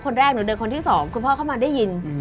แรกหนูเดินคนที่สองคุณพ่อเข้ามาได้ยิน